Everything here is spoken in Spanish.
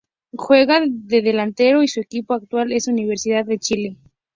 Juega de delantero y su equipo actual es Universidad de Chile.